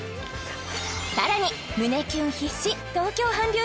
さらに胸キュン必至東京韓流